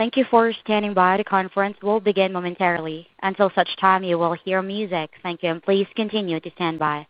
Thank you for standing by the conference. We'll begin momentarily. Until such time, you will hear music. Thank you, and please continue to stand by.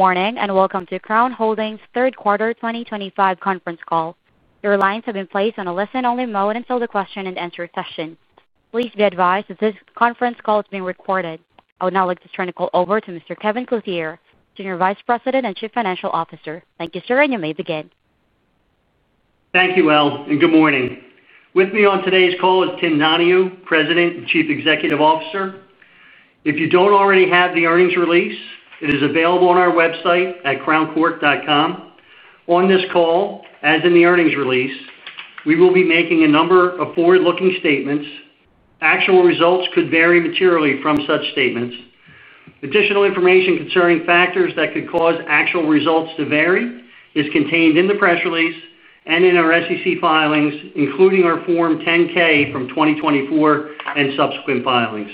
Good morning and welcome to Crown Holdings' third quarter 2025 conference call. Your lines have been placed on a listen-only mode until the question and answer session. Please be advised that this conference call is being recorded. I would now like to turn the call over to Mr. Kevin Clothier, Senior Vice President and Chief Financial Officer. Thank you, sir, and you may begin. Thank you, El, and good morning. With me on today's call is Tim Donahue, President and Chief Executive Officer. If you don't already have the earnings release, it is available on our website at crowncork.com. On this call, as in the earnings release, we will be making a number of forward-looking statements. Actual results could vary materially from such statements. Additional information concerning factors that could cause actual results to vary is contained in the press release and in our SEC filings, including our Form 10-K from 2024 and subsequent filings.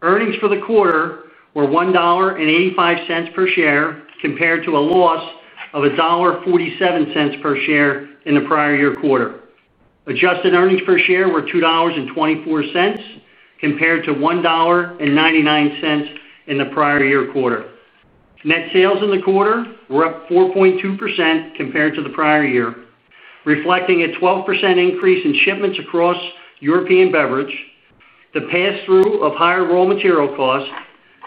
Earnings for the quarter were $1.85 per share compared to a loss of $1.47 per share in the prior year quarter. Adjusted earnings per share were $2.24 compared to $1.99 in the prior year quarter. Net sales in the quarter were up 4.2% compared to the prior year, reflecting a 12% increase in shipments across European beverage, the pass-through of higher raw material costs,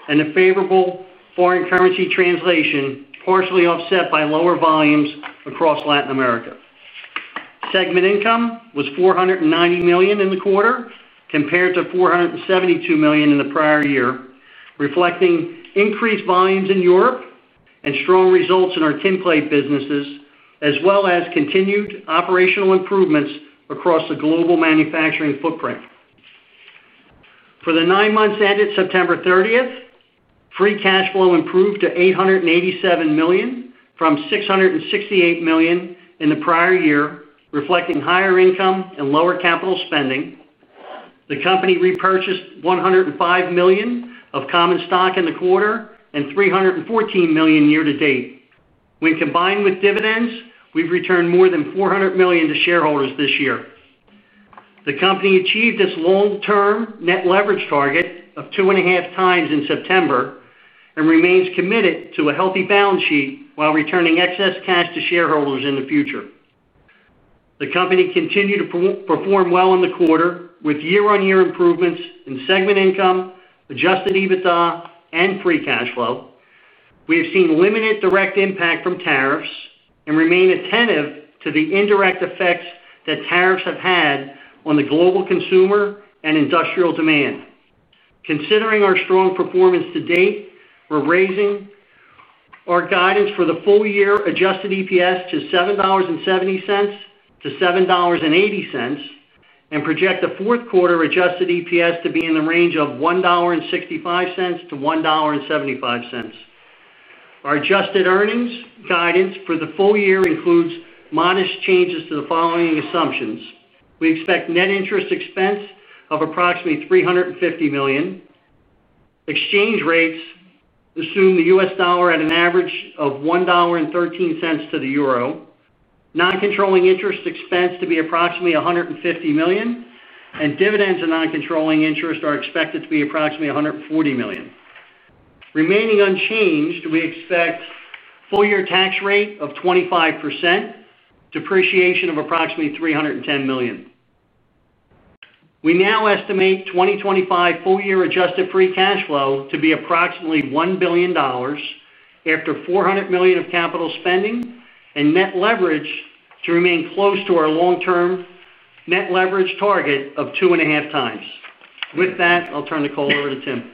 and a favorable foreign currency translation, partially offset by lower volumes across Latin America. Segment Income was $490 million in the quarter compared to $472 million in the prior year, reflecting increased volumes in Europe and strong results in our Tinplate businesses, as well as continued operational improvements across the global manufacturing footprint. For the nine months ended September 30th, Free Cash Flow improved to $887 million from $668 million in the prior year, reflecting higher income and lower capital spending. The company repurchased $105 million of common stock in the quarter and $314 million year-to-date. When combined with dividends, we've returned more than $400 million to shareholders this year. The company achieved its long-term Net Leverage target of 2.5x in September and remains committed to a healthy balance sheet while returning excess cash to shareholders in the future. The company continued to perform well in the quarter with year-on-year improvements in Segment Income, Adjusted EBITDA, and Free Cash Flow. We have seen limited direct impact from tariffs and remain attentive to the indirect effects that tariffs have had on the global consumer and industrial demand. Considering our strong performance to date, we're raising our guidance for the full-year, adjusted EPS to $7.70-$7.80 and project the fourth quarter adjusted EPS to be in the range of $1.65-$1.75. Our adjusted earnings guidance for the full year includes modest changes to the following assumptions. We expect net interest expense of approximately $350 million. Exchange rates assume the U.S. dollar at an average of $1.13 to the euro. Non-controlling interest expense to be approximately $150 million, and dividends and non-controlling interest are expected to be approximately $140 million. Remaining unchanged, we expect a full-year tax rate of 25%, depreciation of approximately $310 million. We now estimate 2025 full-year adjusted Free Cash Flow to be approximately $1 billion after $400 million of capital spending and Net Leverage to remain close to our long-term Net Leverage target of 2.5x. With that, I'll turn the call over to Tim.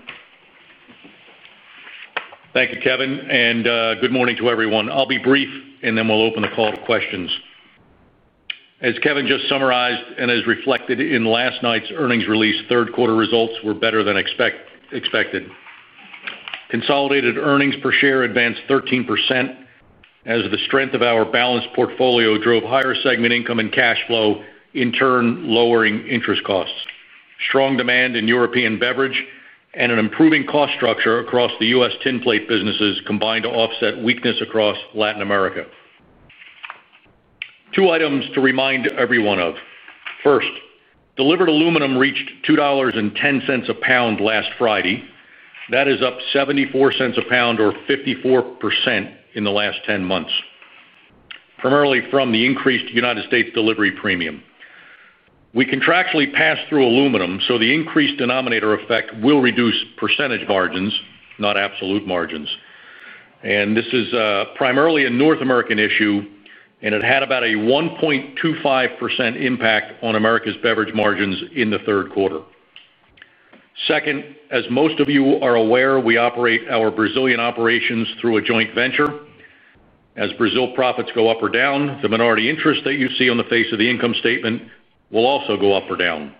Thank you, Kevin, and good morning to everyone. I'll be brief and then we'll open the call to questions. As Kevin just summarized and as reflected in last night's earnings release, third quarter results were better than expected. Consolidated earnings per share advanced 13% as the strength of our balanced portfolio drove higher Segment Income and cash flow, in turn lowering interest costs. Strong demand in European beverage and an improving cost structure across the U.S. Tinplate businesses combined to offset weakness across Latin America. Two items to remind everyone of. First, delivered aluminum reached $2.10 a pound last Friday. That is up $0.74 a pound or 54% in the last 10 months, primarily from the increased United States Delivery Premium. We contractually passed through aluminum, so the increased denominator effect will reduce percentage margins, not absolute margins. This is primarily a North American issue, and it had about a 1.25% impact on America's beverage margins in the third quarter. Second, as most of you are aware, we operate our Brazilian operations through a joint venture. As Brazil profits go up or down, the Minority Interest that you see on the face of the income statement will also go up or down.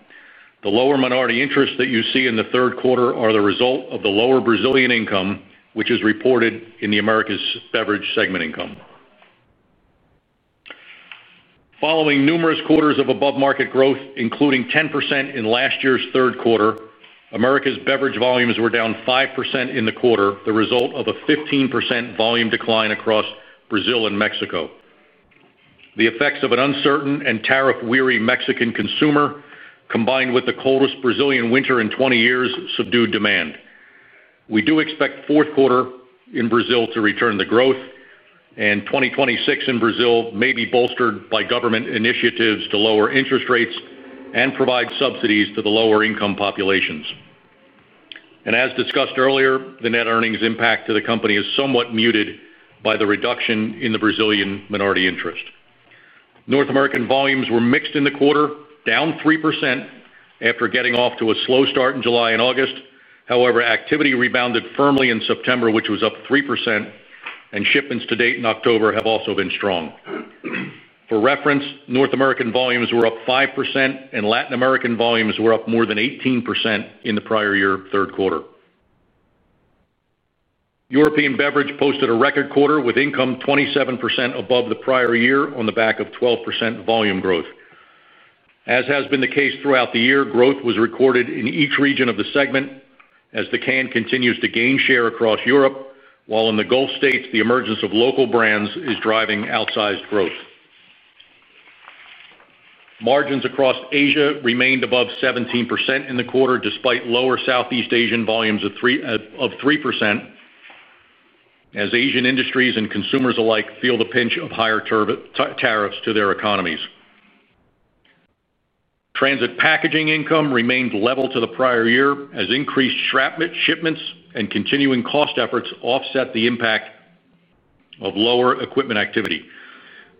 The lower Minority Interest that you see in the third quarter are the result of the lower Brazilian income, which is reported in the America's beverage Segment Income. Following numerous quarters of above-market growth, including 10% in last year's third quarter, America's beverage volumes were down 5% in the quarter, the result of a 15% volume decline across Brazil and Mexico. The effects of an uncertain and tariff-weary Mexican consumer, combined with the coldest Brazilian winter in 20 years, subdued demand. We do expect the fourth quarter in Brazil to return to growth, and 2026 in Brazil may be bolstered by government initiatives to lower interest rates and provide subsidies to the lower-income populations. As discussed earlier, the net earnings impact to the company is somewhat muted by the reduction in the Brazilian Minority Interest. North American volumes were mixed in the quarter, down 3% after getting off to a slow start in July and August. However, activity rebounded firmly in September, which was up 3%, and shipments to date in October have also been strong. For reference, North American volumes were up 5%, and Latin American volumes were up more than 18% in the prior year third quarter. European beverage posted a record quarter with income 27% above the prior year on the back of 12% volume growth. As has been the case throughout the year, growth was recorded in each region of the segment as the can continues to gain share across Europe, while in the Gulf states, the emergence of local brands is driving outsized growth. Margins across Asia remained above 17% in the quarter despite lower Southeast Asian volumes of 3% as Asian industries and consumers alike feel the pinch of higher tariffs to their economies. Transit packaging income remained level to the prior year as increased shipments and continuing cost efforts offset the impact of lower equipment activity.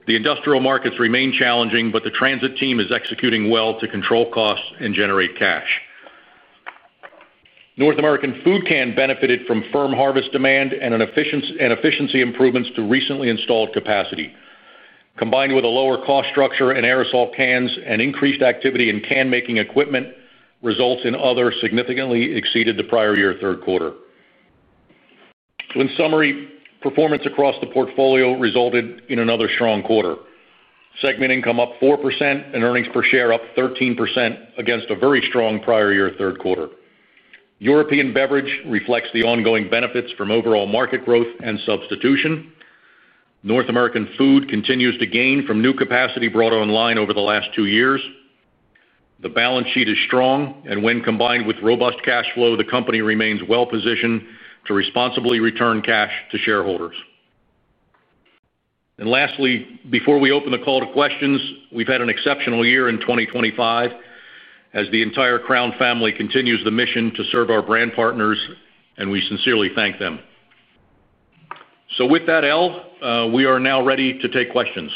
The industrial markets remain challenging, but the transit team is executing well to control costs and generate cash. North American food can benefited from firm harvest demand and efficiency improvements to recently installed capacity. Combined with a lower cost structure in Aerosol Cans and increased activity in Can-Making Equipment, results in other significantly exceeded the prior year third quarter. In summary, performance across the portfolio resulted in another strong quarter. Segment Income up 4% and earnings per share up 13% against a very strong prior year third quarter. European beverage reflects the ongoing benefits from overall market growth and substitution. North American food continues to gain from new capacity brought online over the last two years. The balance sheet is strong, and when combined with robust cash flow, the company remains well-positioned to responsibly return cash to shareholders. Lastly, before we open the call to questions, we've had an exceptional year in 2023 as the entire Crown family continues the mission to serve our brand partners, and we sincerely thank them. With that, El, we are now ready to take questions.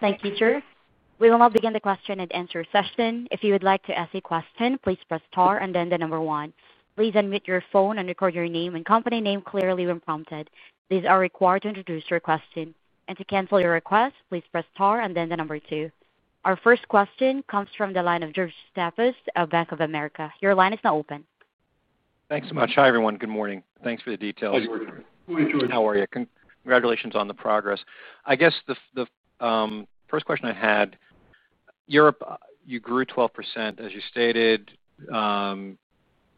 Thank you, Chair. We will now begin the question and answer session. If you would like to ask a question, please press star and then the number one. Please unmute your phone and record your name and company name clearly when prompted. These are required to introduce your question. To cancel your request, please press star and then the number two. Our first question comes from the line of George Staphos at Bank of America. Your line is now open. Thanks so much. Hi, everyone. Good morning. Thanks for the details. Hi, George. How are you? Congratulations on the progress. I guess the first question I had, Europe, you grew 12% as you stated.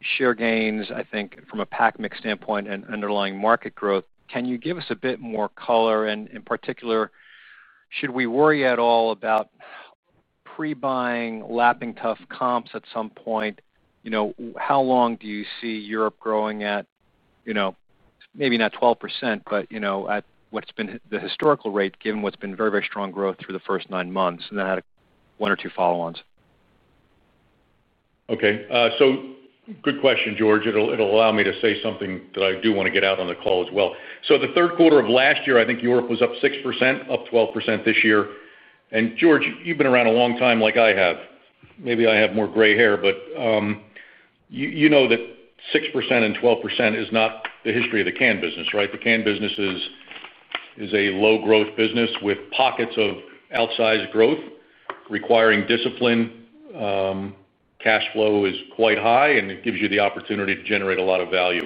Share gains, I think, from a pack mix standpoint and underlying market growth. Can you give us a bit more color? In particular, should we worry at all about pre-buying lapping tough comps at some point? How long do you see Europe growing at, maybe not 12%, but at what's been the historical rate given what's been very, very strong growth through the first nine months? I had one or two follow-ons. Okay. Good question, George. It'll allow me to say something that I do want to get out on the call as well. The third quarter of last year, I think Europe was up 6%, up 12% this year. George, you've been around a long time like I have. Maybe I have more gray hair, but you know that 6% and 12% is not the history of the can business, right? The can business is a low-growth business with pockets of outsized growth requiring discipline. Cash flow is quite high, and it gives you the opportunity to generate a lot of value.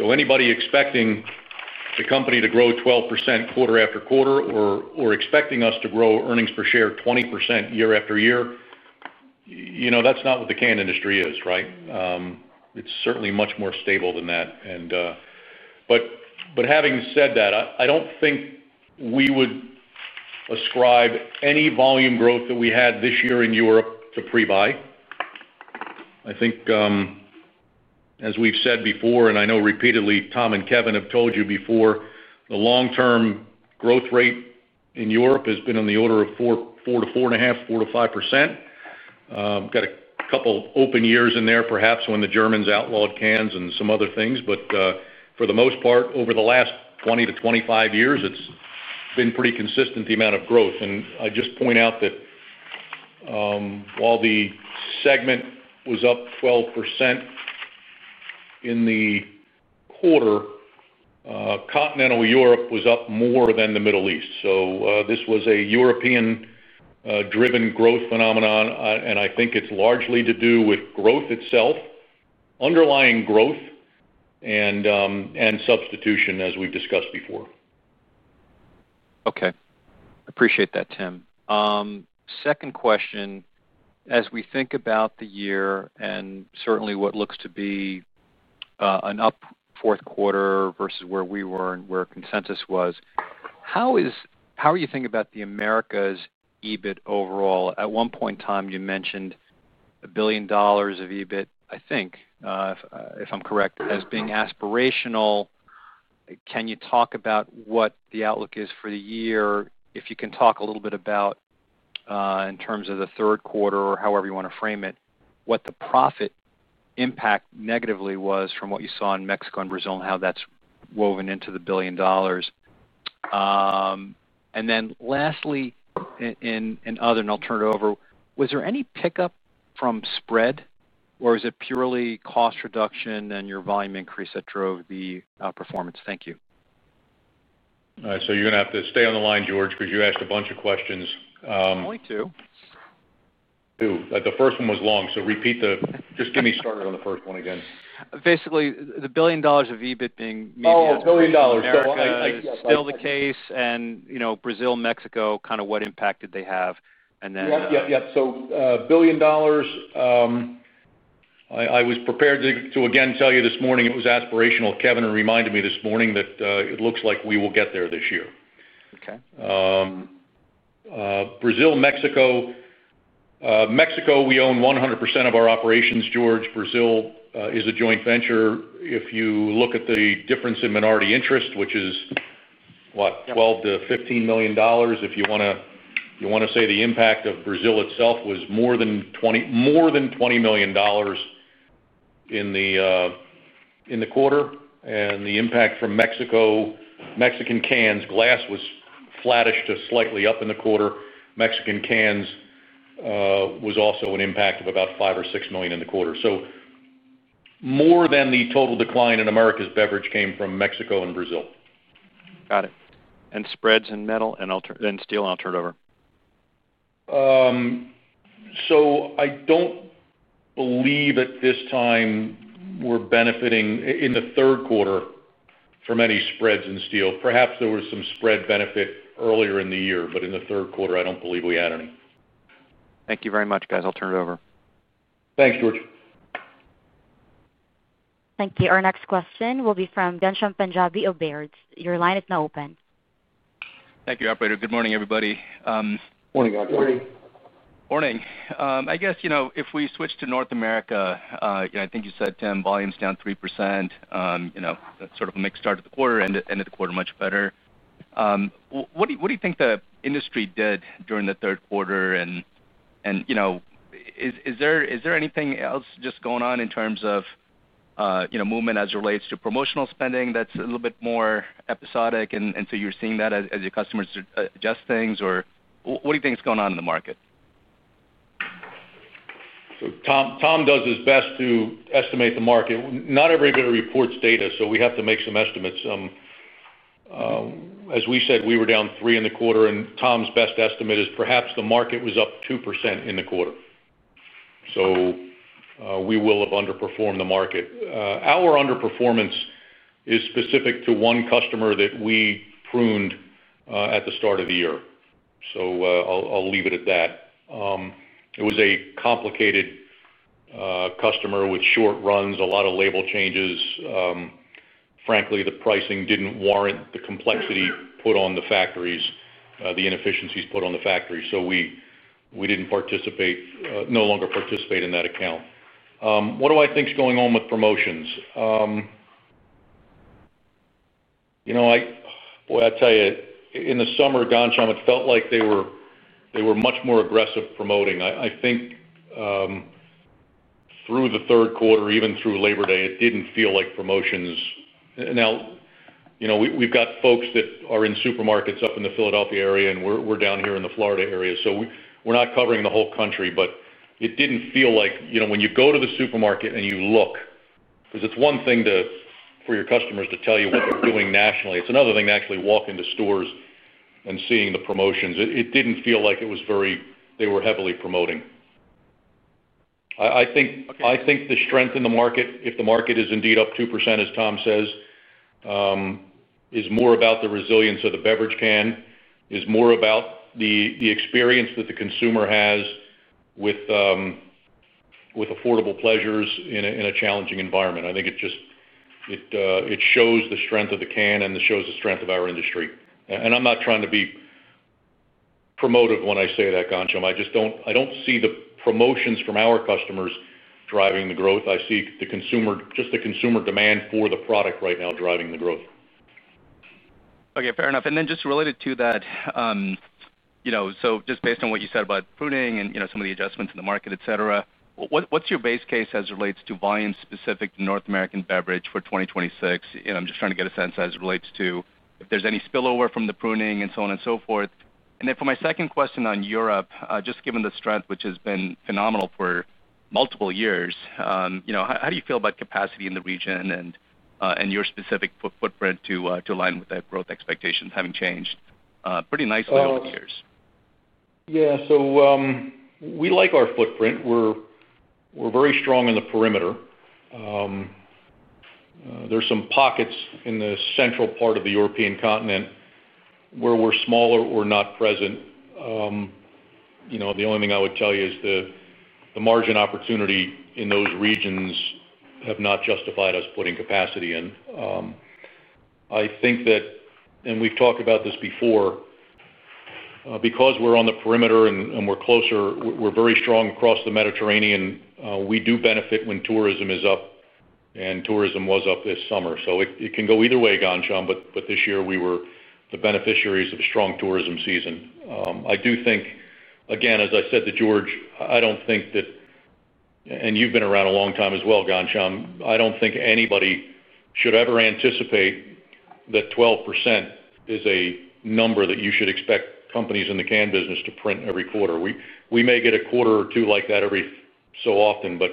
Anybody expecting the company to grow 12% quarter after quarter or expecting us to grow earnings per share 20% year-after-year, you know, that's not what the can industry is, right? It's certainly much more stable than that. Having said that, I don't think we would ascribe any volume growth that we had this year in Europe to pre-buy. I think, as we've said before, and I know repeatedly, Tim and Kevin have told you before, the long-term growth rate in Europe has been on the order of 4%-4.5%, 4%-5%. Got a couple of open years in there, perhaps when the Germans outlawed cans and some other things. For the most part, over the last 20 to 25 years, it's been pretty consistent, the amount of growth. I just point out that while the segment was up 12% in the quarter, Continental Europe was up more than the Middle East. This was a European-driven growth phenomenon, and I think it's largely to do with growth itself, underlying growth, and substitution, as we've discussed before. Okay. Appreciate that, Tim. Second question, as we think about the year and certainly what looks to be an up fourth quarter versus where we were and where consensus was, how are you thinking about the Americas EBIT overall? At one point in time, you mentioned $1 billion of EBIT, I think, if I'm correct, as being aspirational. Can you talk about what the outlook is for the year? If you can talk a little bit about, in terms of the third quarter or however you want to frame it, what the profit impact negatively was from what you saw in Mexico and Brazil and how that's woven into the $1 billion. Lastly, in other, and I'll turn it over, was there any pickup from spread or is it purely cost reduction and your volume increase that drove the performance? Thank you. All right. You're going to have to stay on the line, George, because you asked a bunch of questions. I'm going to. The first one was long, so repeat the just get me started on the first one again. Basically, the $1 billion of EBIT being media. Oh, the $1 billion. Is that still the case? You know Brazil, Mexico, kind of what impact did they have? A billion dollars, I was prepared to again tell you this morning it was aspirational. Kevin reminded me this morning that it looks like we will get there this year. Brazil, Mexico, Mexico, we own 100% of our operations, George. Brazil is a joint venture. If you look at the difference in Minority Interest, which is what, $12 million-$15 million? If you want to say the impact of Brazil itself was more than $20 million in the quarter. The impact from Mexico, Mexican cans, glass was flattish to slightly up in the quarter. Mexican cans was also an impact of about $5 million or $6 million in the quarter. More than the total decline in Americas beverage came from Mexico and Brazil. Got it. Spreads in metal and steel, I'll turn it over. I don't believe at this time we're benefiting in the third quarter from any spreads in steel. Perhaps there was some spread benefit earlier in the year, but in the third quarter, I don't believe we had any. Thank you very much, guys. I'll turn it over. Thanks, George. Thank you. Our next question will be from [Benjamin] of Baird. Your line is now open. Thank you, operator. Good morning, everybody. Morning. Morning. If we switch to North America, I think you said, Tim, volumes down 3%. That's sort of a mixed start to the quarter, end of the quarter much better. What do you think the industry did during the third quarter? Is there anything else going on in terms of movement as it relates to promotional spending that's a little bit more episodic? You're seeing that as your customers adjust things? What do you think is going on in the market? Tom does his best to estimate the market. Not everybody reports data, so we have to make some estimates. As we said, we were down 3% in the quarter, and Tom's best estimate is perhaps the market was up 2% in the quarter. We will have underperformed the market. Our underperformance is specific to one customer that we pruned at the start of the year. I'll leave it at that. It was a complicated customer with short runs, a lot of label changes. Frankly, the pricing didn't warrant the complexity put on the factories, the inefficiencies put on the factories. We didn't participate, no longer participate in that account. What do I think is going on with promotions? I'll tell you, in the summer, it felt like they were much more aggressive promoting. I think through the third quarter, even through Labor Day, it didn't feel like promotions. We've got folks that are in supermarkets up in the Philadelphia area, and we're down here in the Florida area. We're not covering the whole country, but it didn't feel like, when you go to the supermarket and you look, because it's one thing for your customers to tell you what they're doing nationally. It's another thing to actually walk into stores and see the promotions. It didn't feel like they were heavily promoting. I think the strength in the market, if the market is indeed up 2%, as Tom says, is more about the resilience of the beverage can, is more about the experience that the consumer has with affordable pleasures in a challenging environment. I think it shows the strength of the can and shows the strength of our industry. I'm not trying to be promotive when I say that. I just don't see the promotions from our customers driving the growth. I see the consumer, just the consumer demand for the product right now driving the growth. Okay, fair enough. Just related to that, based on what you said about pruning and some of the adjustments in the market, what's your base case as it relates to volume specific to North American beverage for 2026? I'm just trying to get a sense as it relates to if there's any spillover from the pruning and so on and so forth. For my second question on Europe, given the strength, which has been phenomenal for multiple years, how do you feel about capacity in the region and your specific footprint to align with that growth expectations having changed pretty nicely over the years? Yeah, so we like our footprint. We're very strong in the perimeter. There's some pockets in the central part of the European continent where we're smaller or not present. The only thing I would tell you is the margin opportunity in those regions has not justified us putting capacity in. I think that, and we've talked about this before, because we're on the perimeter and we're closer, we're very strong across the Mediterranean. We do benefit when tourism is up, and tourism was up this summer. It can go either way, [Dancham], but this year we were the beneficiaries of a strong tourism season. I do think, again, as I said to George, I don't think that, and you've been around a long time as well, [Dancham], I don't think anybody should ever anticipate that 12% is a number that you should expect companies in the can business to print every quarter. We may get a quarter or two like that every so often, but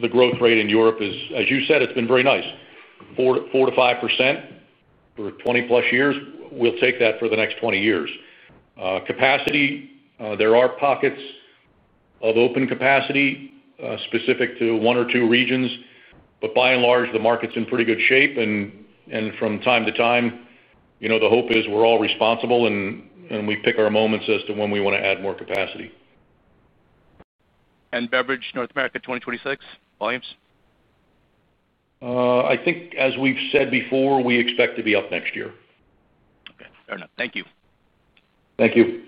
the growth rate in Europe is, as you said, it's been very nice. 4%-5% for 20+ years, we'll take that for the next 20 years. Capacity, there are pockets of open capacity, specific to one or two regions, but by and large, the market's in pretty good shape. From time to time, the hope is we're all responsible and we pick our moments as to when we want to add more capacity. Beverage North America 2026, volumes? I think, as we've said before, we expect to be up next year. Okay, fair enough. Thank you. Thank you.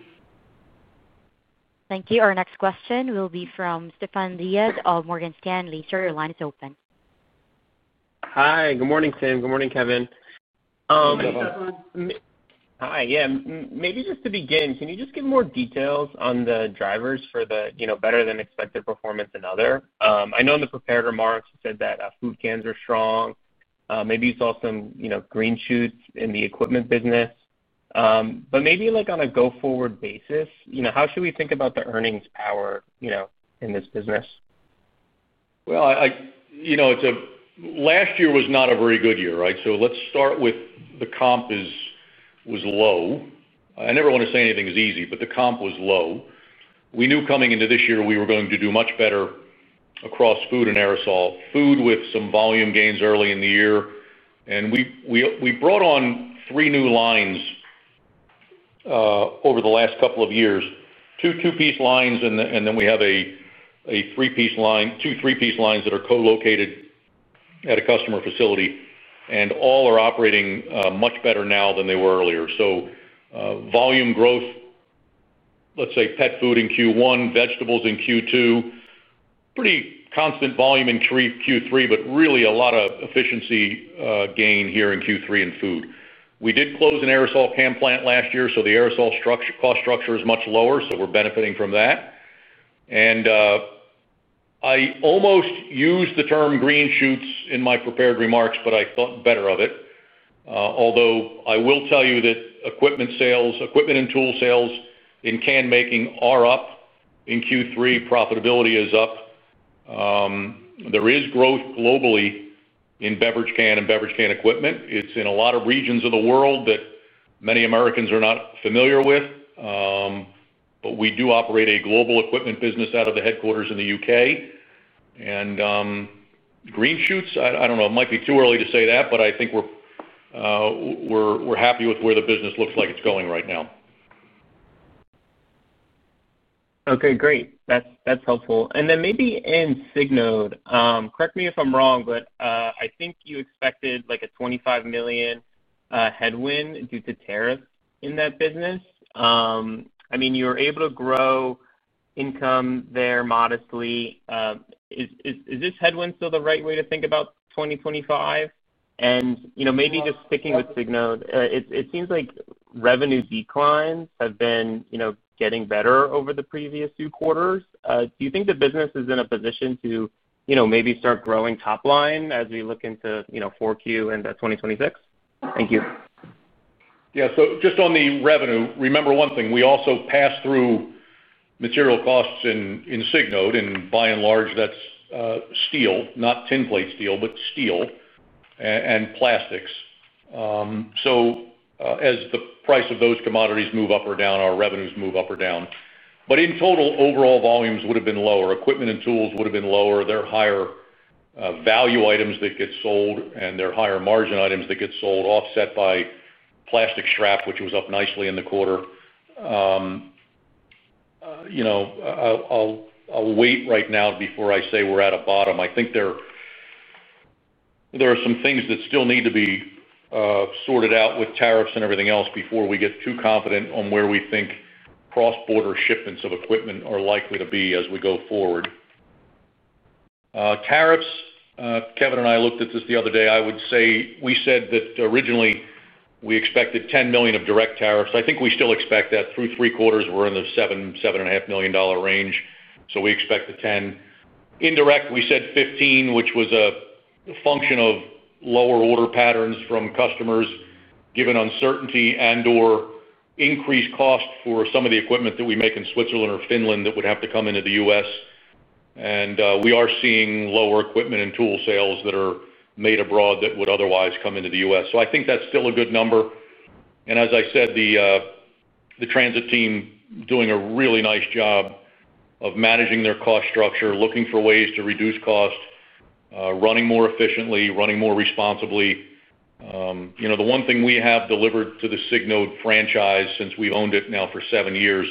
Thank you. Our next question will be from Stefan Diaz of Morgan Stanley. Your line is open. Hi, good morning, Tim. Good morning, Kevin. Hi, Stefan. Hi, yeah. Maybe just to begin, can you give more details on the drivers for the better than expected performance in other? I know in the prepared remarks you said that food cans are strong. Maybe you saw some green shoots in the equipment business. On a go-forward basis, how should we think about the earnings power in this business? Last year was not a very good year, right? The comp was low. I never want to say anything is easy, but the comp was low. We knew coming into this year we were going to do much better across food and aerosol, food with some volume gains early in the year. We brought on three new lines over the last couple of years, two two-piece lines, and then we have a three-piece line, two three-piece lines that are co-located at a customer facility. All are operating much better now than they were earlier. Volume growth, let's say pet food in Q1, vegetables in Q2, pretty constant volume in Q3, but really a lot of efficiency gain here in Q3 in food. We did close an aerosol can plant last year, so the aerosol cost structure is much lower, so we're benefiting from that. I almost used the term green shoots in my prepared remarks, but I thought better of it. Although I will tell you that equipment sales, equipment and tool sales in can making are up. In Q3, profitability is up. There is growth globally in beverage can and beverage can equipment. It's in a lot of regions of the world that many Americans are not familiar with. We do operate a global equipment business out of the headquarters in the U.K. Green shoots, I don't know, it might be too early to say that, but I think we're happy with where the business looks like it's going right now. Okay, great. That's helpful. Maybe in Signode, correct me if I'm wrong, but I think you expected like a $25 million headwind due to tariffs in that business. You were able to grow income there modestly. Is this headwind still the right way to think about 2025? Maybe just sticking with Signode, it seems like revenue declines have been getting better over the previous two quarters. Do you think the business is in a position to maybe start growing top line as we look into 4Q and 2026? Thank you. Yeah, so just on the revenue, remember one thing, we also passed through material costs in Signode, and by and large, that's steel, not Tinplate steel, but steel and plastics. As the price of those commodities move up or down, our revenues move up or down. In total, overall volumes would have been lower. Equipment and tools would have been lower. They're higher value items that get sold, and they're higher margin items that get sold, offset by plastic strap, which was up nicely in the quarter. I'll wait right now before I say we're at a bottom. I think there are some things that still need to be sorted out with tariffs and everything else before we get too confident on where we think cross-border shipments of equipment are likely to be as we go forward. Tariffs, Kevin and I looked at this the other day. I would say we said that originally we expected $10 million of direct tariffs. I think we still expect that through three quarters. We're in the $7 million, $7.5 million range. We expect the $10 million. Indirect, we said $15 million, which was a function of lower order patterns from customers given uncertainty and/or increased cost for some of the equipment that we make in Switzerland or Finland that would have to come into the U.S. We are seeing lower equipment and tool sales that are made abroad that would otherwise come into the U.S. I think that's still a good number. As I said, the transit team is doing a really nice job of managing their cost structure, looking for ways to reduce cost, running more efficiently, running more responsibly. The one thing we have delivered to the Signode franchise since we've owned it now for seven years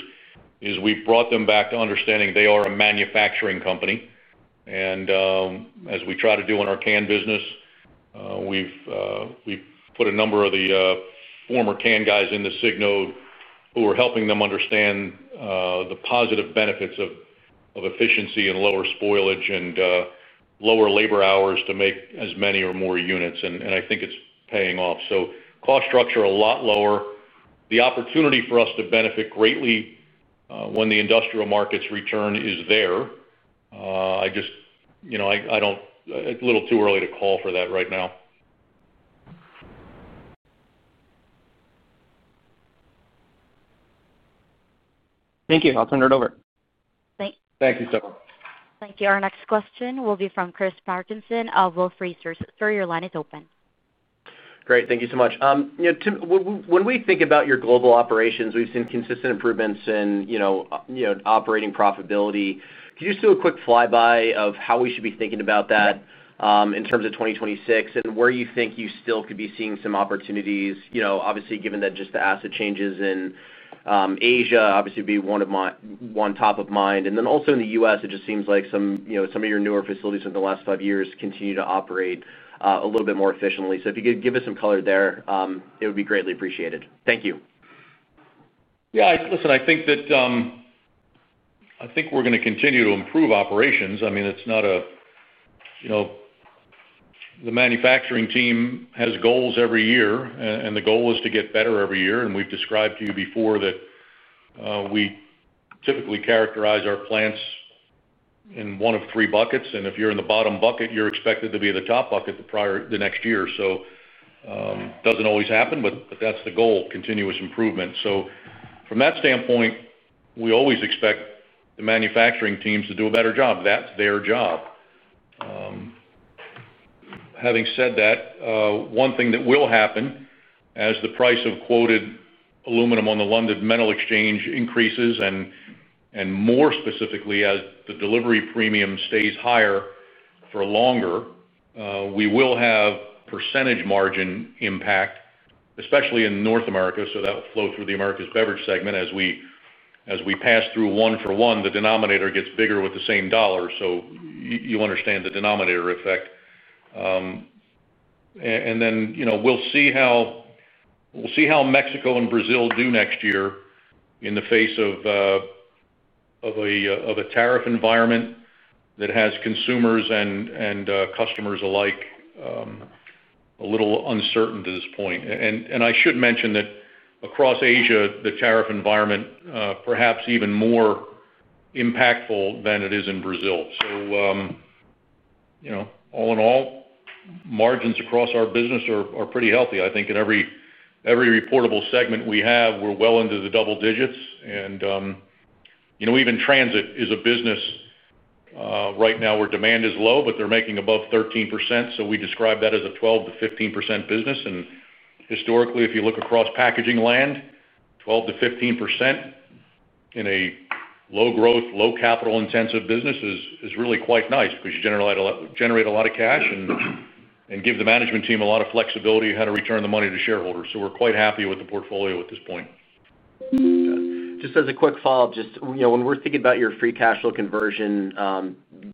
is we've brought them back to understanding they are a manufacturing company. As we try to do in our can business, we've put a number of the former can guys into Signode who are helping them understand the positive benefits of efficiency and lower spoilage and lower labor hours to make as many or more units. I think it's paying off. Cost structure is a lot lower. The opportunity for us to benefit greatly when the industrial markets return is there. I just, it's a little too early to call for that right now. Thank you. I'll turn it over. Thank you, Stefan. Thank you. Our next question will be from Chris Parkinson of Wolfe Research. Your line is open. Great. Thank you so much. Tim, when we think about your global operations, we've seen consistent improvements in operating profitability. Could you just do a quick fly-by of how we should be thinking about that in terms of 2026 and where you think you still could be seeing some opportunities? Obviously, given that just the asset changes in Asia, it would be one of my top of mind. Also, in the U.S., it just seems like some of your newer facilities over the last five years continue to operate a little bit more efficiently. If you could give us some color there, it would be greatly appreciated. Thank you. Yeah, listen, I think that we're going to continue to improve operations. I mean, it's not a, you know, the manufacturing team has goals every year, and the goal is to get better every year. We've described to you before that we typically characterize our plants in one of three buckets. If you're in the bottom bucket, you're expected to be the top bucket the next year. It doesn't always happen, but that's the goal, continuous improvement. From that standpoint, we always expect the manufacturing teams to do a better job. That's their job. Having said that, one thing that will happen as the price of quoted aluminum on the London Metal Exchange increases, and more specifically as the Delivery Premium stays higher for longer, we will have percentage margin impact, especially in North America. That will flow through the America's beverage segment as we pass through one for one. The denominator gets bigger with the same dollar. You understand the denominator effect. We'll see how Mexico and Brazil do next year in the face of a tariff environment that has consumers and customers alike a little uncertain to this point. I should mention that across Asia, the tariff environment is perhaps even more impactful than it is in Brazil. All in all, margins across our business are pretty healthy. I think in every reportable segment we have, we're well into the double digits. Even transit is a business right now where demand is low, but they're making above 13%. We describe that as a 12%-15% business. Historically, if you look across packaging land, 12%-15% in a low-growth, low-capital-intensive business is really quite nice because you generate a lot of cash and give the management team a lot of flexibility in how to return the money to shareholders. We're quite happy with the portfolio at this point. Just as a quick follow-up, when we're thinking about your Free Cash Flow conversion,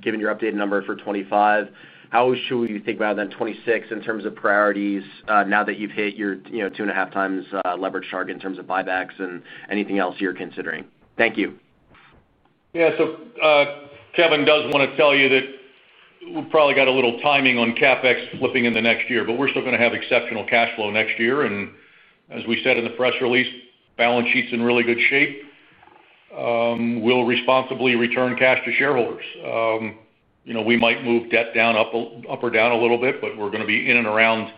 given your updated number for 2025, how should you think about it then 2026 in terms of priorities now that you've hit your 2.5x leverage target in terms of buybacks and anything else you're considering? Thank you. Yeah, Kevin does want to tell you that we've probably got a little timing on CapEx flipping in the next year, but we're still going to have exceptional cash flow next year. As we said in the press release, balance sheet's in really good shape. We'll responsibly return cash to shareholders. We might move debt up or down a little bit, but we're going to be in and around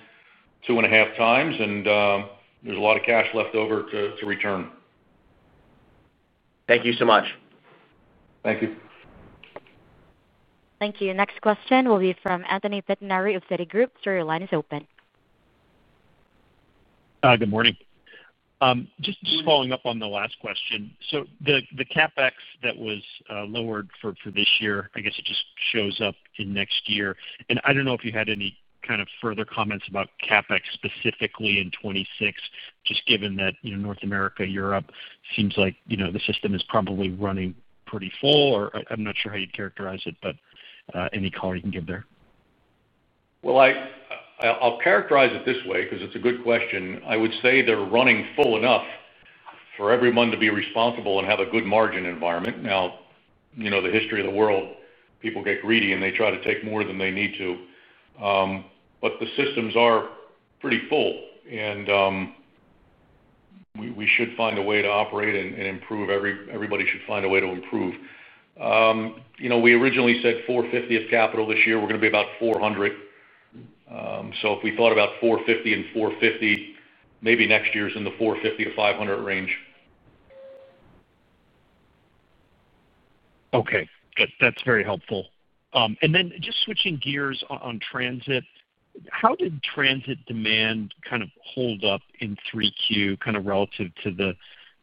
2.5x, and there's a lot of cash left over to return. Thank you so much. Thank you. Thank you. Next question will be from Anthony Pettinari of Citigroup. Your line is open. Good morning. Just following up on the last question. The CapEx that was lowered for this year, I guess it just shows up in next year. I don't know if you had any kind of further comments about CapEx specifically in 2026, just given that, you know, North America, Europe seems like, you know, the system is probably running pretty full, or I'm not sure how you'd characterize it, but any call you can give there? I would characterize it this way because it's a good question. I would say they're running full enough for everyone to be responsible and have a good margin environment. Now, you know, the history of the world, people get greedy and they try to take more than they need to. The systems are pretty full, and we should find a way to operate and improve. Everybody should find a way to improve. You know, we originally said $450 million is capital this year. We're going to be about $400 million. If we thought about $450 million and $450 million, maybe next year is in the $450 million-$500 million range. Okay. That's very helpful. Just switching gears on transit, how did transit demand kind of hold up in 3Q relative to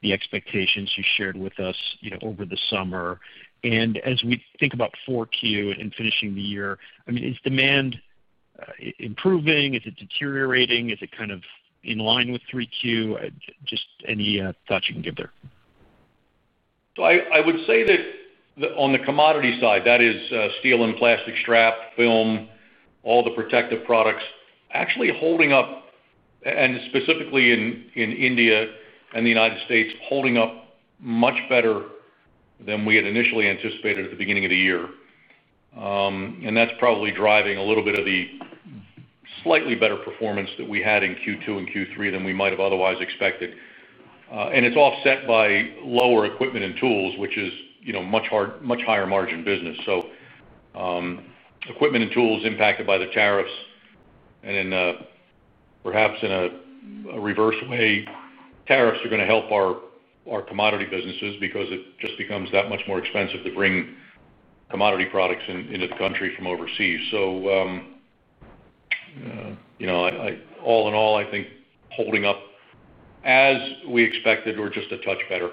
the expectations you shared with us over the summer? As we think about 4Q and finishing the year, is demand improving, is it deteriorating, or is it kind of in line with 3Q? Any thoughts you can give there? I would say that on the commodity side, that is steel and plastic strap, film, all the protective products, actually holding up, and specifically in India and the United States, holding up much better than we had initially anticipated at the beginning of the year. That's probably driving a little bit of the slightly better performance that we had in Q2 and Q3 than we might have otherwise expected. It's offset by lower equipment and tools, which is, you know, much higher margin business. Equipment and tools impacted by the tariffs. Perhaps in a reverse way, tariffs are going to help our commodity businesses because it just becomes that much more expensive to bring commodity products into the country from overseas. All in all, I think holding up as we expected or just a touch better.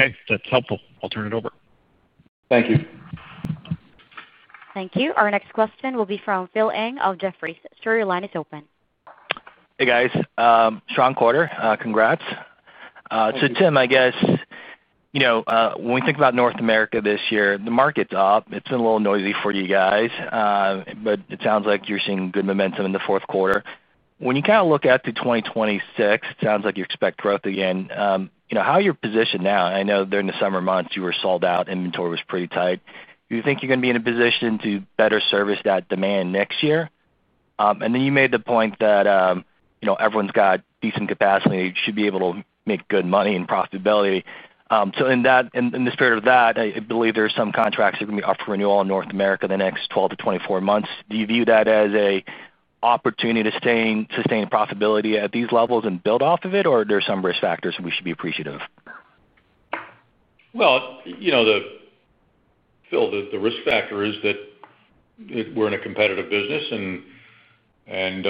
Okay, that's helpful. I'll turn it over. Thank you. Thank you. Our next question will be from Phil Ng of Jefferies. Your line is open. Hey, guys. Strong quarter, congrats. So Tim, I guess, you know, when we think about North America this year, the market's up. It's been a little noisy for you guys, but it sounds like you're seeing good momentum in the fourth quarter. When you kind of look at 2026, it sounds like you expect growth again. You know, how are you positioned now? I know during the summer months, you were sold out. Inventory was pretty tight. Do you think you're going to be in a position to better service that demand next year? You made the point that, you know, everyone's got decent capacity and you should be able to make good money and profitability. In this period, I believe there are some contracts that are going to be up for renewal in North America in the next 12 to 24 months. Do you view that as an opportunity to sustain profitability at these levels and build off of it, or are there some risk factors that we should be appreciative of? The risk factor is that we're in a competitive business and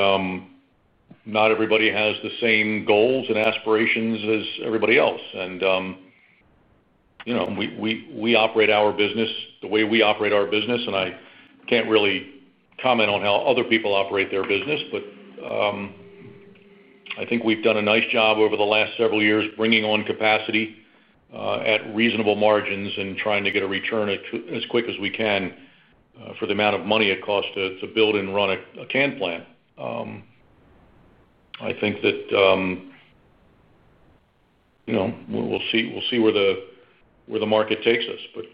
not everybody has the same goals and aspirations as everybody else. We operate our business the way we operate our business, and I can't really comment on how other people operate their business, but I think we've done a nice job over the last several years bringing on capacity at reasonable margins and trying to get a return as quick as we can for the amount of money it costs to build and run a can plant. I think that we'll see where the market takes us.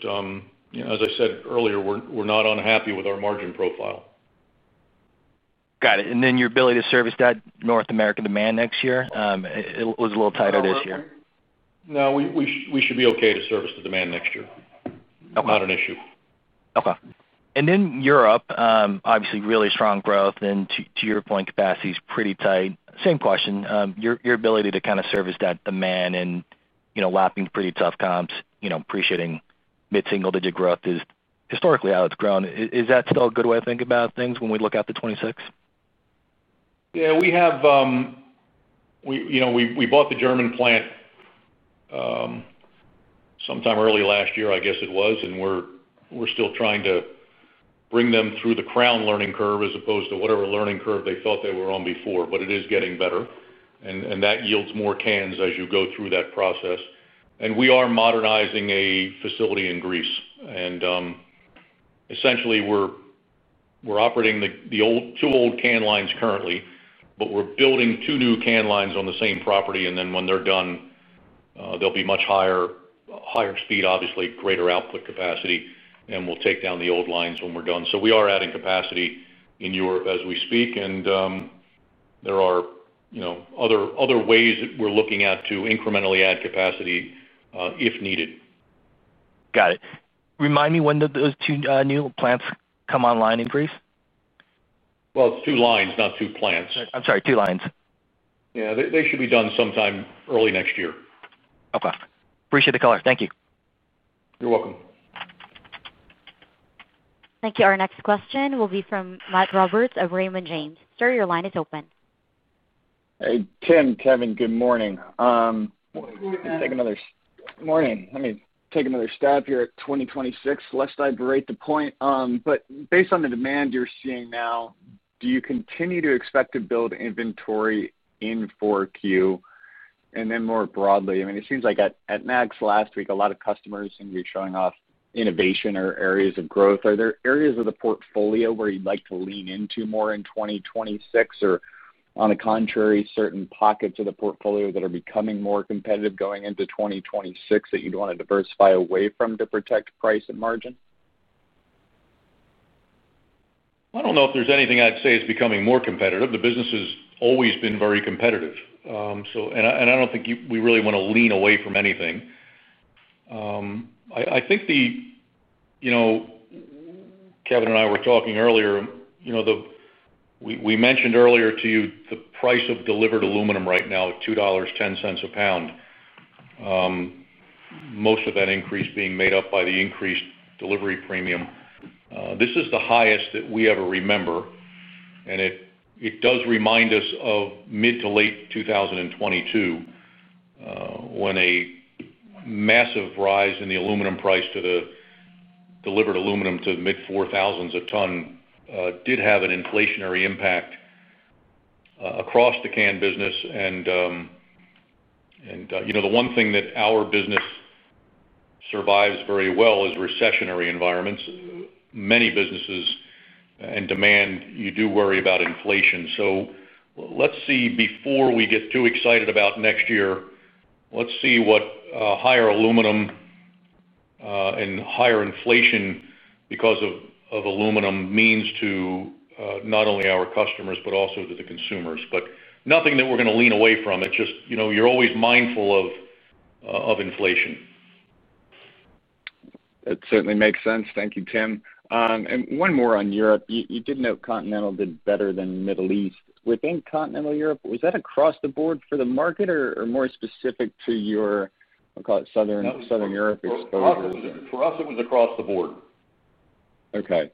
We're not unhappy with our margin profile. Got it. Your ability to service that North America demand next year, it was a little tighter this year. No, we should be okay to service the demand next year. Not an issue. Okay. Europe, obviously, really strong growth. To your point, capacity is pretty tight. Same question, your ability to kind of service that demand and lapping pretty tough comps, appreciating mid-single-digit growth is historically how it's grown. Is that still a good way to think about things when we look at 2026? Yeah, we have, you know, we bought the German plant sometime early last year, I guess it was, and we're still trying to bring them through the Crown learning curve as opposed to whatever learning curve they thought they were on before, but it is getting better. That yields more cans as you go through that process. We are modernizing a facility in Greece. Essentially, we're operating the two old can lines currently, but we're building two new can lines on the same property. When they're done, they'll be much higher speed, obviously greater output capacity, and we'll take down the old lines when we're done. We are adding capacity in Europe as we speak. There are other ways that we're looking at to incrementally add capacity if needed. Got it. Remind me when those two new plants come online. Brief? It's two lines, not two plants. I'm sorry, two lines. Yeah, they should be done sometime early next year. Okay. Appreciate the color. Thank you. You're welcome. Thank you. Our next question will be from Matt Roberts of Raymond James. Sir, your line is open. Hey, Tim, Kevin, good morning. Let's take another. Morning. Let me take another stab here at 2026, lest I berate the point. Based on the demand you're seeing now, do you continue to expect to build inventory in 4Q? More broadly, it seems like at Max last week, a lot of customers seem to be showing off innovation or areas of growth. Are there areas of the portfolio where you'd like to lean into more in 2026, or on the contrary, certain pockets of the portfolio that are becoming more competitive going into 2026 that you'd want to diversify away from to protect price and margin? I don't know if there's anything I'd say is becoming more competitive. The business has always been very competitive, and I don't think we really want to lean away from anything. I think, you know, Kevin and I were talking earlier, we mentioned earlier to you the price of delivered aluminum right now at $2.10 a pound. Most of that increase is being made up by the increased Delivery Premium. This is the highest that we ever remember. It does remind us of mid to late 2022 when a massive rise in the aluminum price to the delivered aluminum to the mid-$4,000s a ton did have an inflationary impact across the can business. The one thing that our business survives very well is recessionary environments. Many businesses and demand, you do worry about inflation. Let's see before we get too excited about next year, let's see what higher aluminum and higher inflation because of aluminum means to not only our customers, but also to the consumers. Nothing that we're going to lean away from. It's just, you know, you're always mindful of inflation. That certainly makes sense. Thank you, Tim. One more on Europe. You did note Continental did better than Middle East. Within Continental Europe, was that across the board for the market or more specific to your, I'll call it, Southern Europe exposure? For us, it was across the board. Okay.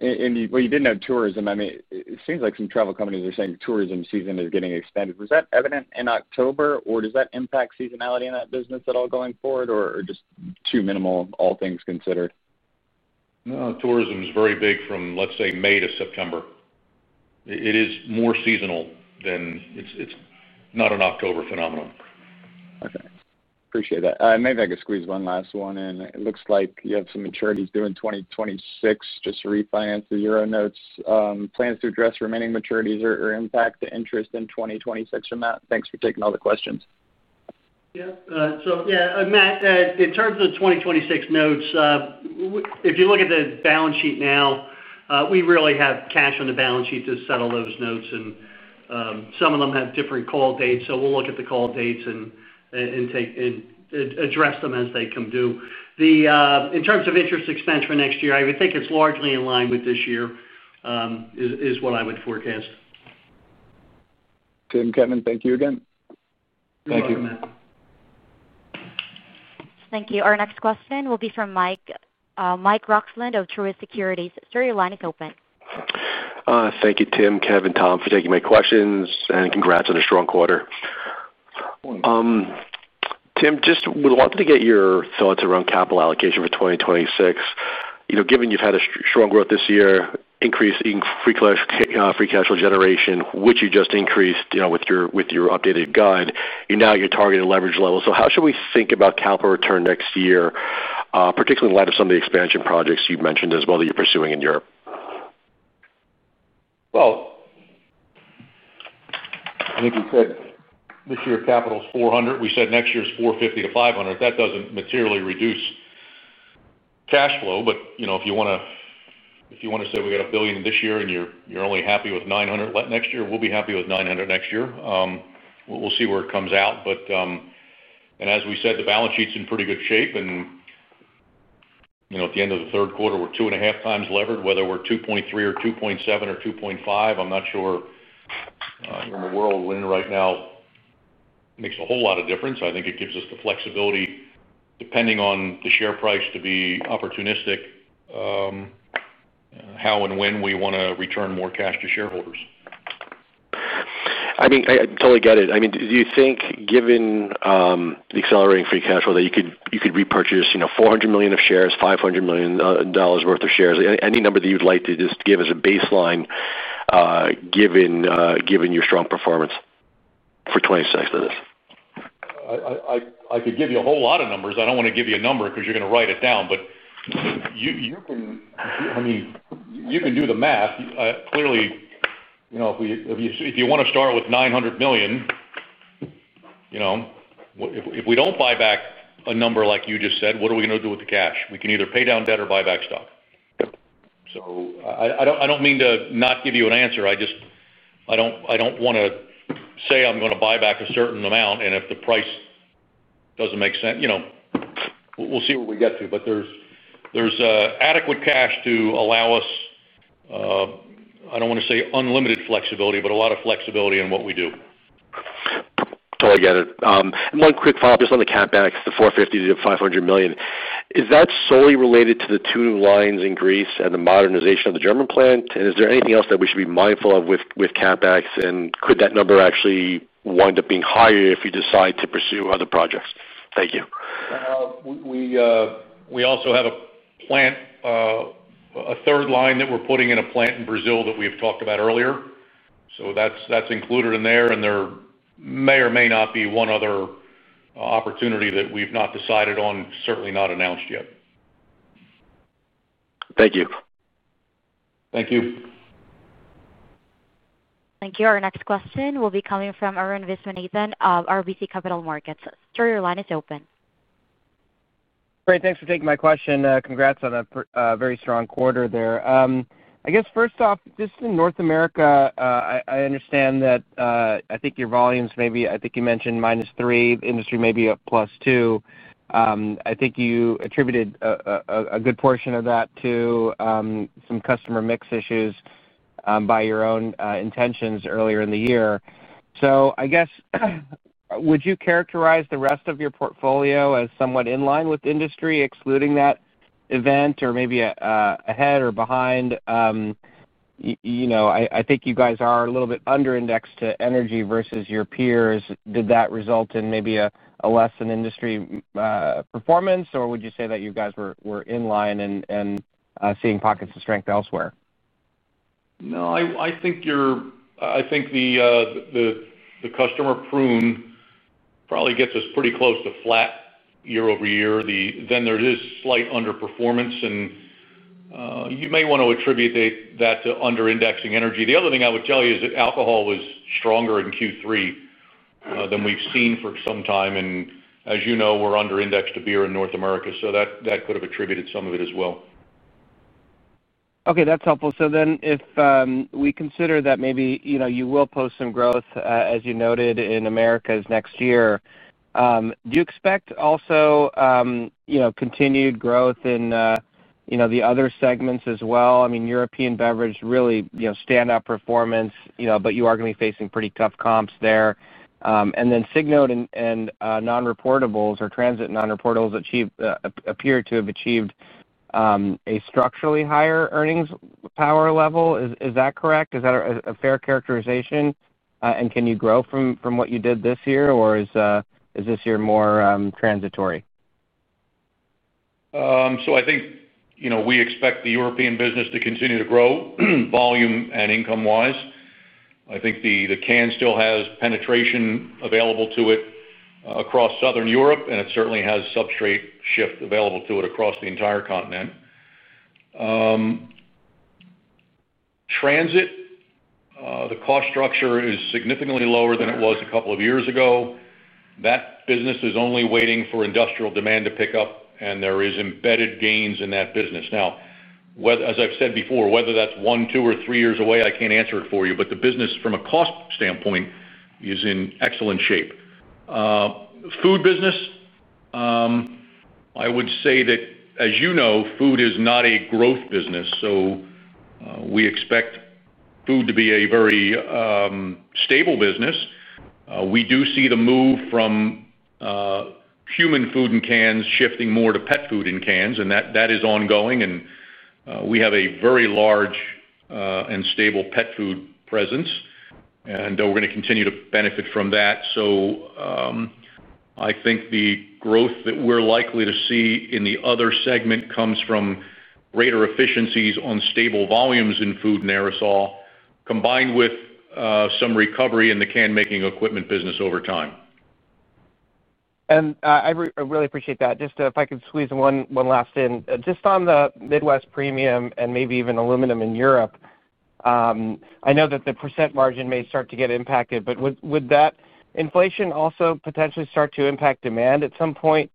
You did note tourism. It seems like some travel companies are saying tourism season is getting expanded. Was that evident in October, or does that impact seasonality in that business at all going forward, or just too minimal, all things considered? No, tourism is very big from, let's say, May to September. It is more seasonal than it's not an October phenomenon. Okay. Appreciate that. Maybe I could squeeze one last one in. It looks like you have some maturities due in 2026. Just to refinance the zero notes, plans to address remaining maturities or impact the interest in 2026 from that. Thanks for taking all the questions. Yes. Matt, in terms of the 2026 notes, if you look at the balance sheet now, we really have cash on the balance sheet to settle those notes. Some of them have different call dates. We will look at the call dates and address them as they come due. In terms of interest expense for next year, I would think it's largely in line with this year, is what I would forecast. Tim, Kevin, thank you again. Thank you. Thank you, Matt. Thank you. Our next question will be from Mike Roxland of Truist Securities. Sir, your line is open. Thank you, Tim, Kevin, Tom, for taking my questions, and congrats on a strong quarter. Tim, just would love to get your thoughts around capital allocation for 2026. Given you've had a strong growth this year, increasing Free Cash Flow generation, which you just increased with your updated guide, you're now at your targeted leverage level. How should we think about capital return next year, particularly in light of some of the expansion projects you've mentioned as well that you're pursuing in Europe? I think you said this year capital is $400 million. We said next year is $450 million-$500 million. That doesn't materially reduce cash flow, but you know, if you want to say we got $1 billion in this year and you're only happy with $900 million next year, we'll be happy with $900 million next year. We'll see where it comes out. As we said, the balance sheet's in pretty good shape. At the end of the third quarter, we're 2.5x levered. Whether we're 2.3x or 2.7x or 2.5x, I'm not sure. You know, the world we're in right now makes a whole lot of difference. I think it gives us the flexibility, depending on the share price, to be opportunistic, how and when we want to return more cash to shareholders. I mean, I totally get it. Do you think, given the accelerating Free Cash Flow, that you could repurchase $400 million of shares, $500 million worth of shares, any number that you'd like to just give as a baseline, given your strong performance for 2026? I could give you a whole lot of numbers. I don't want to give you a number because you're going to write it down. You can do the math. Clearly, you know, if you want to start with $900 million, if we don't buy back a number like you just said, what are we going to do with the cash? We can either pay down debt or buy back stock. I don't mean to not give you an answer. I just don't want to say I'm going to buy back a certain amount. If the price doesn't make sense, we'll see where we get to. There's adequate cash to allow us, I don't want to say unlimited flexibility, but a lot of flexibility in what we do. Totally get it. One quick follow-up just on the CapEx, the $450 million-$500 million. Is that solely related to the two new lines in Greece and the modernization of the German plant? Is there anything else that we should be mindful of with CapEx, and could that number actually wind up being higher if you decide to pursue other projects? Thank you. We also have a plant, a third line that we're putting in a plant in Brazil that we've talked about earlier. That is included in there. There may or may not be one other opportunity that we've not decided on, certainly not announced yet. Thank you. Thank you. Thank you. Our next question will be coming from Arun Viswanathan of RBC Capital Markets. Sir, your line is open. Great. Thanks for taking my question. Congrats on a very strong quarter there. I guess first off, just in North America, I understand that I think your volumes maybe, I think you mentioned -3%, industry may be at +2%. I think you attributed a good portion of that to some customer mix issues by your own intentions earlier in the year. Would you characterize the rest of your portfolio as somewhat in line with industry, excluding that event, or maybe ahead or behind? I think you guys are a little bit under-indexed to energy versus your peers. Did that result in maybe a less than industry performance, or would you say that you guys were in line and seeing pockets of strength elsewhere? I think the customer prune probably gets us pretty close to flat year-over-year. There is slight underperformance, and you may want to attribute that to under-indexing energy. The other thing I would tell you is that alcohol was stronger in Q3 than we've seen for some time. As you know, we're under-indexed to beer in North America. That could have attributed some of it as well. Okay, that's helpful. If we consider that maybe, you know, you will post some growth, as you noted, in Americas next year, do you expect also, you know, continued growth in, you know, the other segments as well? I mean, European beverage really, you know, standout performance, you know, but you are going to be facing pretty tough comps there. Signode and non-reportables or transit non-reportables appear to have achieved a structurally higher earnings power level. Is that correct? Is that a fair characterization? Can you grow from what you did this year, or is this year more transitory? I think, you know, we expect the European business to continue to grow volume and income-wise. I think the can still has penetration available to it across Southern Europe, and it certainly has substrate shift available to it across the entire continent. Transit, the cost structure is significantly lower than it was a couple of years ago. That business is only waiting for industrial demand to pick up, and there are embedded gains in that business. As I've said before, whether that's one, two, or three years away, I can't answer it for you, but the business from a cost standpoint is in excellent shape. Food business, I would say that, as you know, food is not a growth business. We expect food to be a very stable business. We do see the move from human food in cans shifting more to pet food in cans, and that is ongoing. We have a very large and stable pet food presence, and we're going to continue to benefit from that. I think the growth that we're likely to see in the other segment comes from greater efficiencies on stable volumes in food and aerosol, combined with some recovery in the Can-Making Equipment business over time. I really appreciate that. If I could squeeze one last in, just on the Midwest Premium and maybe even aluminum in Europe, I know that the percent margin may start to get impacted, but would that inflation also potentially start to impact demand at some point,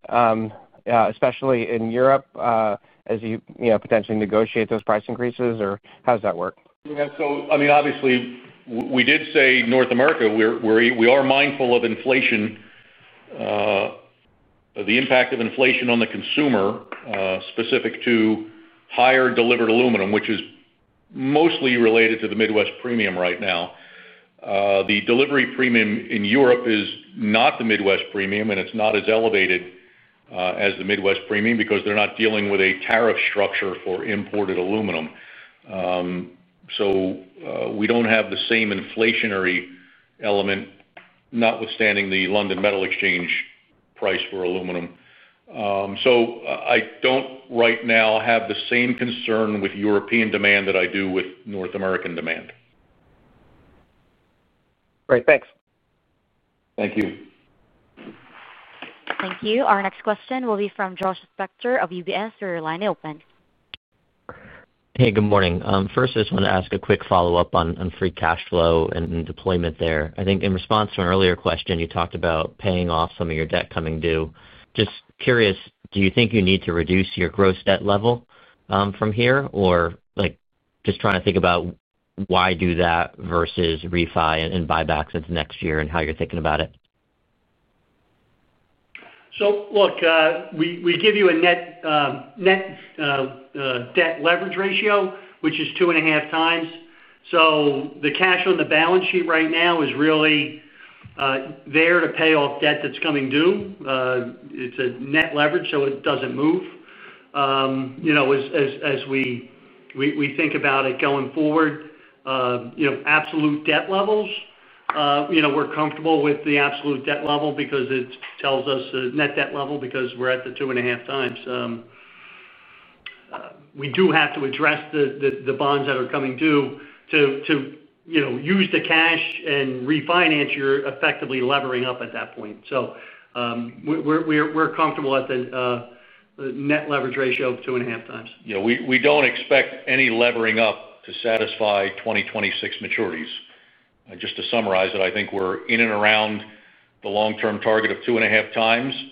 especially in Europe, as you potentially negotiate those price increases, or how does that work? Yeah, so I mean, obviously, we did say North America, we are mindful of inflation, the impact of inflation on the consumer specific to higher delivered aluminum, which is mostly related to the Midwest premium right now. The Delivery Premium in Europe is not the Midwest premium, and it's not as elevated as the Midwest premium because they're not dealing with a tariff structure for imported aluminum. We don't have the same inflationary element, notwithstanding the London Metal Exchange price for aluminum. I don't right now have the same concern with European demand that I do with North American demand. Great. Thanks. Thank you. Thank you. Our next question will be from Josh Spector of UBS. Your line is open. Hey, good morning. First, I just want to ask a quick follow-up on Free Cash Flow and deployment there. I think in response to an earlier question, you talked about paying off some of your debt coming due. Just curious, do you think you need to reduce your gross debt level from here, or just trying to think about why do that versus refi and buybacks since next year and how you're thinking about it? We give you a net debt leverage ratio, which is 2.5x. The cash on the balance sheet right now is really there to pay off debt that's coming due. It's a Net Leverage, so it doesn't move. As we think about it going forward, absolute debt levels, we're comfortable with the absolute debt level because it tells us the net debt level because we're at the 2.5x. We do have to address the bonds that are coming due to use the cash and refinance, you're effectively levering up at that point. We're comfortable at the Net Leverage ratio of 2.5x. Yeah, we don't expect any levering up to satisfy 2026 maturities. Just to summarize it, I think we're in and around the long-term target of 2.5x.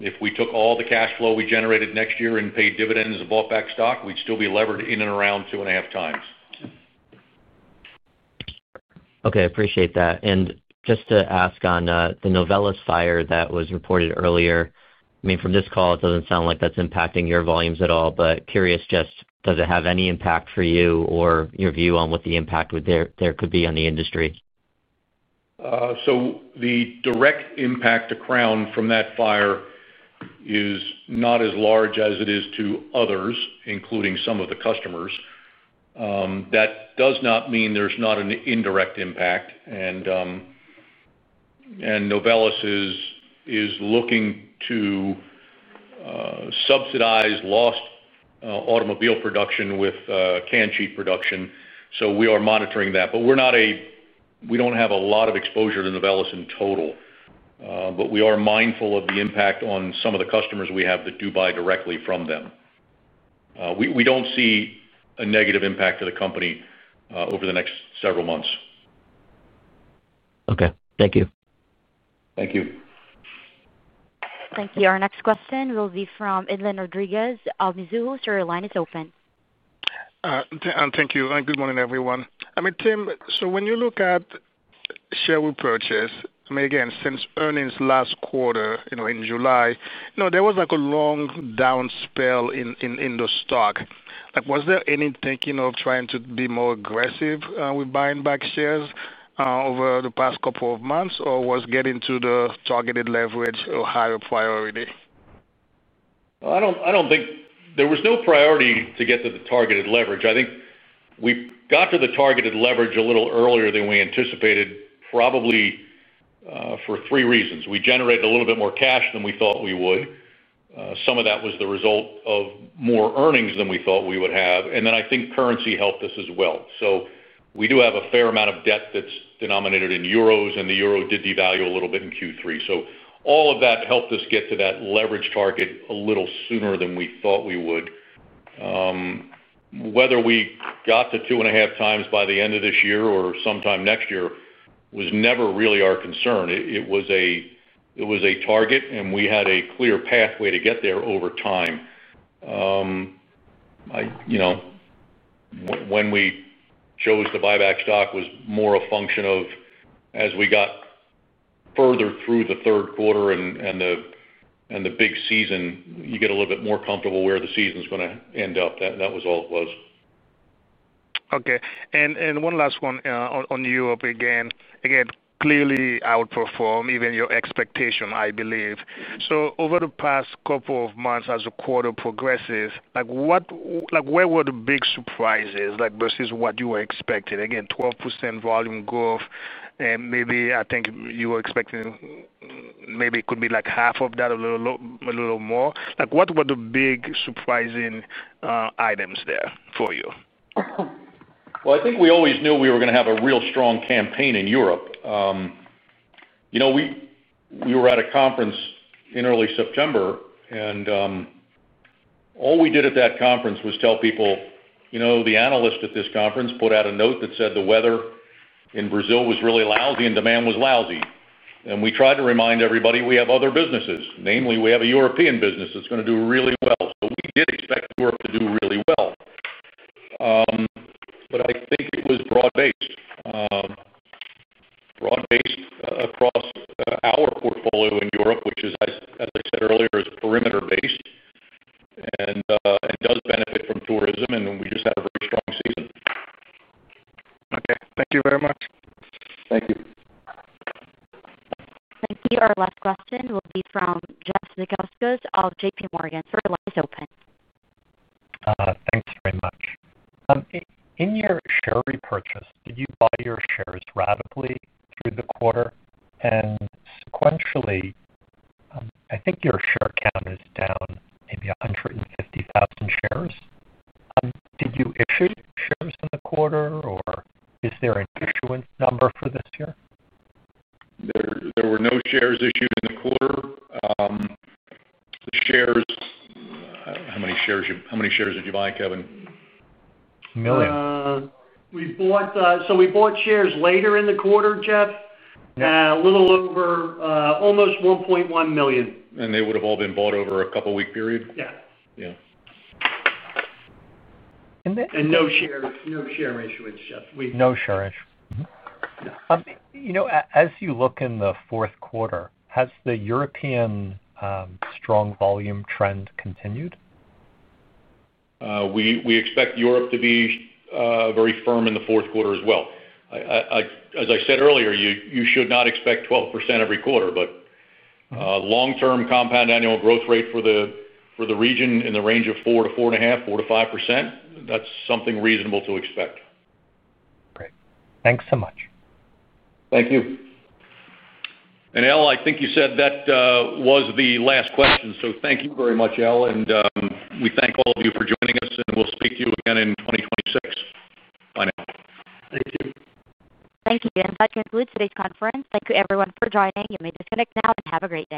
If we took all the cash flow we generated next year and paid dividends and bought back stock, we'd still be levered in and around 2.5x. Okay, I appreciate that. Just to ask on the Novelis fire that was reported earlier, from this call, it doesn't sound like that's impacting your volumes at all. I'm curious, does it have any impact for you or your view on what the impact there could be on the industry? The direct impact to Crown from that fire is not as large as it is to others, including some of the customers. That does not mean there's not an indirect impact. Novelis is looking to subsidize lost automobile production with can sheet production. We are monitoring that. We do not have a lot of exposure to Novelis in total, but we are mindful of the impact on some of the customers we have that do buy directly from them. We do not see a negative impact to the company over the next several months. Okay, thank you. Thank you. Thank you. Our next question will be from Edlain Rodriguez of Mizuho. Sir, your line is open. Thank you. Good morning, everyone. Tim, when you look at share repurchase, again, since earnings last quarter in July, there was a long down spell in the stock. Was there any thinking of trying to be more aggressive with buying back shares over the past couple of months, or was getting to the targeted leverage a higher priority? I don't think there was any priority to get to the targeted leverage. I think we got to the targeted leverage a little earlier than we anticipated, probably for three reasons. We generated a little bit more cash than we thought we would. Some of that was the result of more earnings than we thought we would have. I think currency helped us as well. We do have a fair amount of debt that's denominated in euros, and the euro did devalue a little bit in Q3. All of that helped us get to that leverage target a little sooner than we thought we would. Whether we got to 2.5x by the end of this year or sometime next year was never really our concern. It was a target, and we had a clear pathway to get there over time. You know, when we chose to buy back stock was more a function of as we got further through the third quarter and the big season, you get a little bit more comfortable where the season's going to end up. That was all it was. Okay. One last one on Europe again. Clearly outperformed even your expectation, I believe. Over the past couple of months, as the quarter progresses, what were the big surprises versus what you were expecting? 12% volume growth, and maybe I think you were expecting maybe it could be like half of that or a little more. What were the big surprising items there for you? I think we always knew we were going to have a real strong campaign in Europe. We were at a conference in early September, and all we did at that conference was tell people, you know, the analyst at this conference put out a note that said the weather in Brazil was really lousy and demand was lousy. We tried to remind everybody we have other businesses. Namely, we have a European business that's going to do really well. We did expect Europe to do really well. I think it was broad-based, broad-based across our portfolio in Europe, which is, as I said earlier, perimeter-based and does benefit from tourism, and we just had a very strong season. Okay, thank you very much. Thank you. Thank you. Our last question will be from Jeff Zekauskas of JPMorgan. Sir, your line is open. Thanks very much. In your share repurchase, did you buy your shares rapidly through the quarter? Sequentially, I think your share count is down maybe 150,000 shares. Did you issue shares in the quarter, or is there an issuance number for this year? There were no shares issued in the quarter. The shares, how many shares did you buy, Kevin? Million. We bought shares later in the quarter, Jeff. Yeah, a little over, almost $1.1 million. Would they have all been bought over a couple-week period? Yeah. Yeah. No share issuance, Jeff. No share issuance. As you look in the fourth quarter, has the European strong volume trend continued? We expect Europe to be very firm in the fourth quarter as well. As I said earlier, you should not expect 12% every quarter, but long-term compound annual growth rate for the region in the range of 4%-4.5%, 4%-5%, that's something reasonable to expect. Great. Thanks so much. Thank you. I think you said that was the last question. Thank you very much. We thank all of you for joining us, and we'll speak to you again in 2026. Bye now. Thank you. Thank you. That concludes today's conference. Thank you, everyone, for joining. You may disconnect now and have a great day.